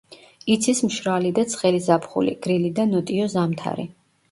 იცის მშრალი და ცხელი ზაფხული, გრილი და ნოტიო ზამთარი.